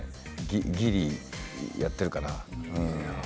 ギリやってるかな。